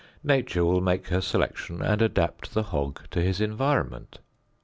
Nature will make her selection and adapt the hog to his environment.